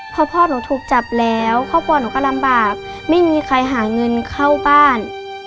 พอพ่อหนูถูกจับแล้วครอบครัวหนูก็ลำบากไม่มีใครหาเงินเข้าบ้าน